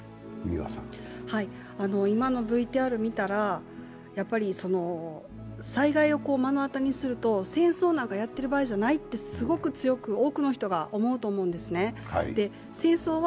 今のＶＴＲを見たら、災害を目の当たりにすると戦争なんかやってる場合じゃないとすごく強く、多くの人が思うと思うんですね。